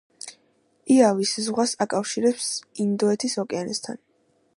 იავის ზღვას აკავშირებს ინდოეთის ოკეანესთან.